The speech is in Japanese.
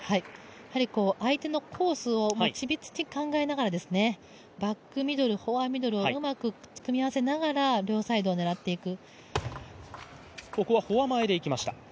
やはり相手のコースを緻密に考えながらバックミドル、フォアミドルをうまく組み合わせながら両サイドを狙っていく。